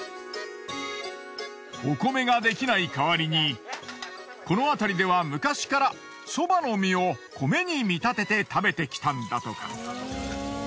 お米ができない代わりにこのあたりでは昔からそばの実を米に見立てて食べてきたんだとか。